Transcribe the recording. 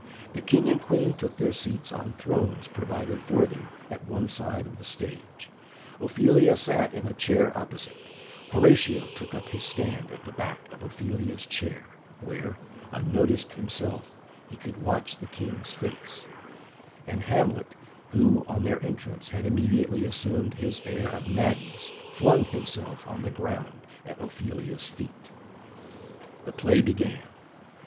The King and Queen took their seats on thrones provided for them at one side of the stage; Ophelia sat in a chair opposite; Horatio took up his stand at the back of Ophelia's chair, where, unnoticed himself, he could watch the King's face; and Hamlet, who on their entrance had immediately assumed his air of madness, flung himself on the ground at Ophelia's feet. The play began.